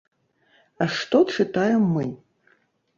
А што чытаем мы?